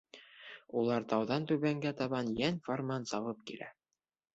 Улар тауҙан түбәнгә табан йән-фарман сабып килә.